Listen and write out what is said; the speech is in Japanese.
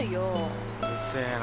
うるせえな。